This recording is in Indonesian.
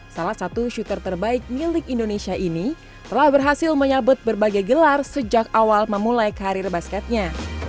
salah satu shooter terbaik milik indonesia ini telah berhasil menyabut berbagai gelar sejak awal memulai karir basketnya